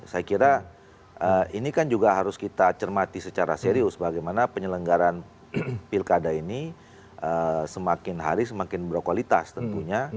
saya kira ini kan juga harus kita cermati secara serius bagaimana penyelenggaran pilkada ini semakin hari semakin berkualitas tentunya